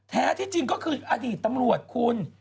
แท้ที่จริงก็คืออดีตตำรวจคุณ